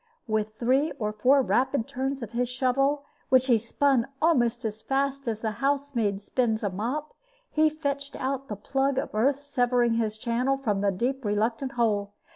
With three or four rapid turns of his shovel, which he spun almost as fast as a house maid spins a mop, he fetched out the plug of earth severing his channel from the deep, reluctant hole.